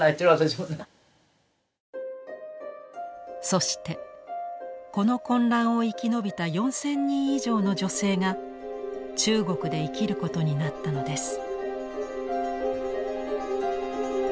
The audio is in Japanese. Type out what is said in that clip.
そしてこの混乱を生き延びた４，０００人以上の女性が中国で生きることになったのです。